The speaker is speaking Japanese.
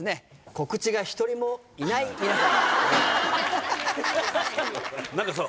告知が１人もいない皆さん。